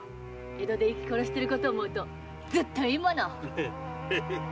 江戸で息殺してること思うとずっといいもの。